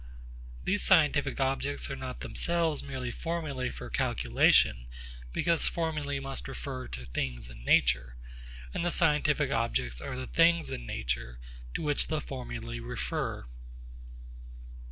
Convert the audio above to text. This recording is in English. These scientific objects are not themselves merely formulae for calculation; because formulae must refer to things in nature, and the scientific objects are the things in nature to which the formulae refer.